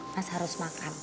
mas harus makan